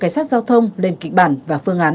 cảnh sát giao thông lên kịch bản và phương án